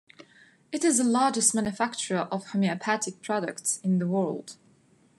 It is the largest manufacturer of homeopathic products in the world.